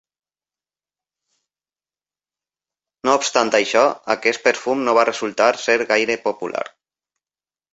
No obstant això, aquest perfum no va resultar ser gaire popular.